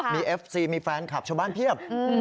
มีเอฟซีมีแฟนคลับชาวบ้านเพียบ